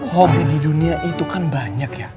hobi di dunia itu kan banyak ya